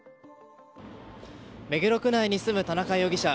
目黒区内に住む田中容疑者。